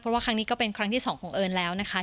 เพราะว่าครั้งนี้ก็เป็นครั้งที่๒ของเอิญแล้วนะคะ